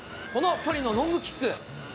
この距離のロングキック。